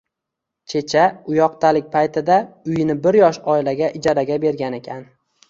Checha u yoqdalik paytida uyini bir yosh oilaga ijaraga bergan ekan